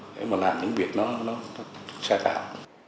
để mà làm những việc nó xa tạo